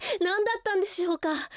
なんだったんでしょうか。